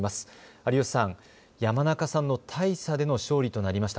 有吉さん、山中さんの大差での勝利となりました。